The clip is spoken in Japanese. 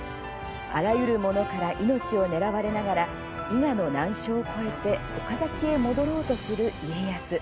あらゆる者から命を狙われながら伊賀の難所を越えて岡崎へ戻ろうとする家康。